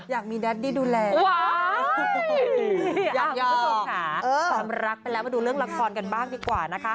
ตามรักไปแล้วมาดูเรื่องลังค์คอนกันบ้างดีกว่านะคะ